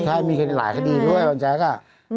ใช่มีหลายคดีด้วยบางแจ๊ค